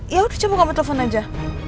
ya udah coba kamu telepon aja